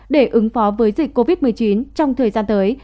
để ứng phó với dịch covid một mươi chín trong thời gian tới